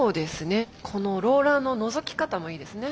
このローラーののぞき方もいいですね。